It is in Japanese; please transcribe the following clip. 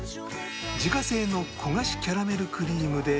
自家製の焦がしキャラメルクリームで